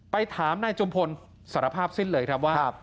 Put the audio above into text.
ถามนายจุมพลสารภาพสิ้นเลยครับว่า